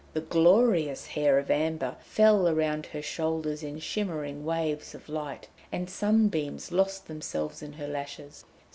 The glorious hair of Amber fell round her shoulders in shimmering waves of light, and sunbeams lost themselves in her lashes.